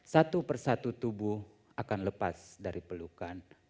satu persatu tubuh akan lepas dari pelukan